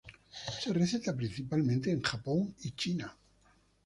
Se receta principalmente en Japón y China.